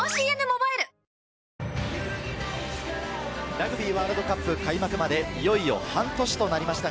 ラグビーワールドカップ開幕まで、いよいよ半年となりました。